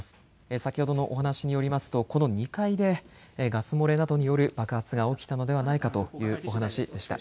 先ほどのお話によりますとこの２階でガス漏れなどによる爆発が起きたのではないかというお話しでした。